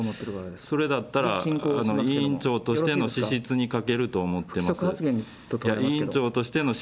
それだったら、委員長としての資質に欠けると思ってます。